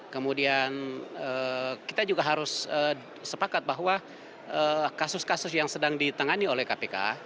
kemudian kita juga harus sepakat bahwa kasus kasus yang sedang ditangani oleh kpk